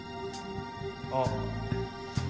あっ。